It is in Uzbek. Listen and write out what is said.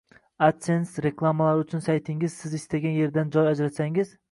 Adsense reklamalari uchun saytingizning Siz istagan yeridan joy ajratsangiz